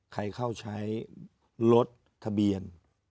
ใครเข้าใช้รถทะเบียน